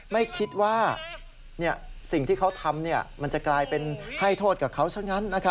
ไม่คิดว่าสิ่งที่เขาทำมันจะกลายเป็นให้โทษกับเขาซะงั้น